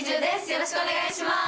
よろしくお願いします。